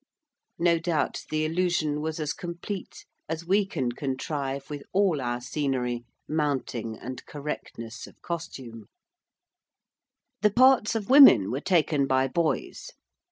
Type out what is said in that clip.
No doubt the illusion was as complete as we can contrive with all our scenery, mounting, and correctness of costume. [Illustration: THE GLOBE THEATRE.] The parts of women were taken by boys.